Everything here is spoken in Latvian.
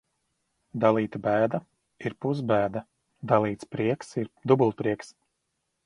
Dalīta bēda ir pusbēda, dalīts prieks ir dubultprieks.